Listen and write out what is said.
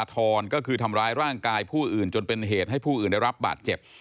ก็คือทำร้ายร่างกายผู้อื่นจนเป็นเหตุให้ผู้อื่นได้รับบาดเจ็บ